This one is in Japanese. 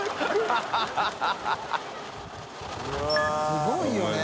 すごいよね。